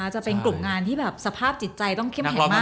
จะเป็นกลุ่มงานที่แบบสภาพจิตใจต้องเข้มแข็งมาก